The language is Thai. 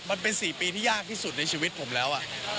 มันเป็น๔ปีที่ยากที่สุดในชีวิตผมแล้ว